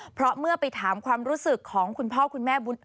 เพราะเมื่อไปถามความรู้สึกของคุณพ่อคุณแม่บุญ